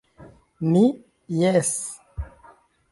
Mi, jes.